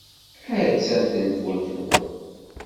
Attan tenfult-nwen.